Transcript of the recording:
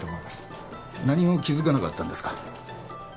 ・何も気づかなかったんですか？